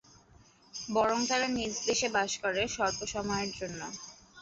বরং তারা নিজ দেশে বাস করে স্বল্প সময়ের জন্য।